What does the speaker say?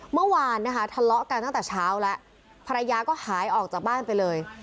เมื่อวานนะคะทะเลาะกันตั้งแต่เช้าแล้วภรรยาก็หายออกจากบ้านไปเลย